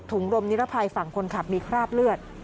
รมนิรภัยฝั่งคนขับมีคราบเลือด